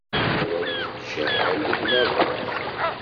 Qwant tjeɛɛal deg unabaḍ.